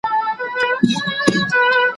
پرون او نن مي تر اته زره زياتي جملې،